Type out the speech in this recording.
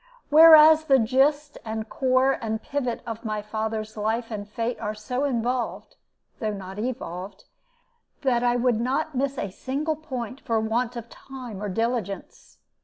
Whereas the gist and core and pivot of my father's life and fate are so involved (though not evolved) that I would not miss a single point for want of time or diligence.